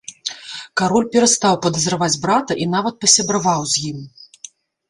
Кароль перастаў падазраваць брата і нават пасябраваў з ім.